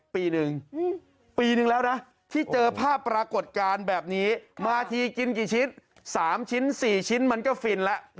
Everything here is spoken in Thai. ปีหนึ่งปีนึงแล้วนะที่เจอภาพปรากฏการณ์แบบนี้มาทีกินกี่ชิ้น๓ชิ้น๔ชิ้นมันก็ฟินแล้ว